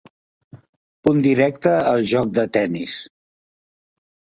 Punt directe al joc del tennis.